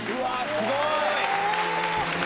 すごい！